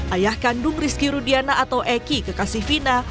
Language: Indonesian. ayah kandung rizky rudiana atau eki kekasih fina